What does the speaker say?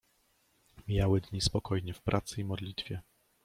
Mijały dni spokojnie w pracy i modlitwie.